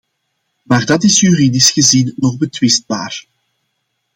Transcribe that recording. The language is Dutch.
Maar dat is juridisch gezien nog betwistbaar.